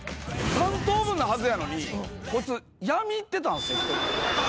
３等分のはずやのにこいつ闇行ってたんすよ１人で。